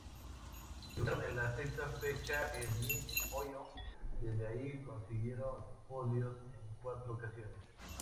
Debutaron en la sexta fecha en Mid-Ohio, desde ahí consiguieron podios en cuatro ocasiones.